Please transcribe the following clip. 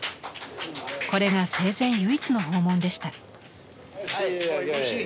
これが生前唯一の訪問でした。